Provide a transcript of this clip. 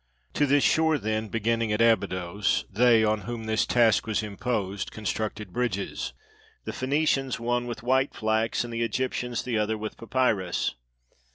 To this shore, then, beginning at Abydos, they, on whom this task was imposed, constructed bridges, the Phoenicians one with white flax, and the Egyptians the other with papyrus.